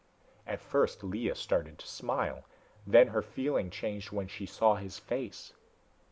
At first Lea started to smile, then her feeling changed when she saw his face.